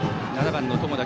７番の友田